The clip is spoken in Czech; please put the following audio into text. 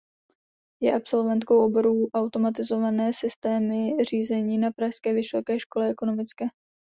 Je absolventkou oboru Automatizované systémy řízení na pražské Vysoké škole ekonomické.